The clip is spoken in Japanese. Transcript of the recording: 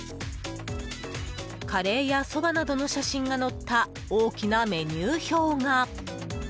カレーやそばなどの写真が載った大きなメニュー表が。